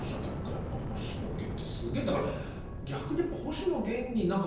やっぱ星野源ってすげえ。